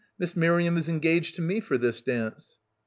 Miss Miriam is engaged to me for this dance."